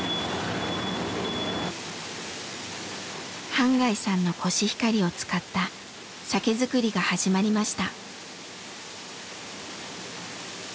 半谷さんのコシヒカリを使った酒造りが始まりました。